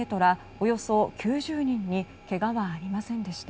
およそ９０人にけがはありませんでした。